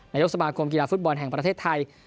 นายกสมาคมกีฬาฟุตบอลแห่งประเทศไทย